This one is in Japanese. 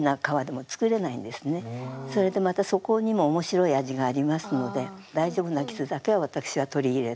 それでまたそこにも面白い味がありますので大丈夫な傷だけは私は取り入れて。